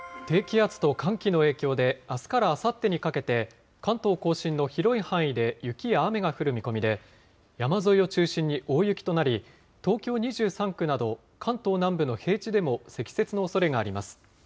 低気圧と寒気の影響で、あすからあさってにかけて、関東甲信の広い範囲で雪や雨が降る見込みで、山沿いを中心に大雪となり、東京２３区など、関東南部の平地でも積雪のおそれがあります。